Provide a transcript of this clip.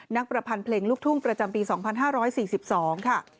ประพันธ์เพลงลูกทุ่งประจำปี๒๕๔๒ค่ะ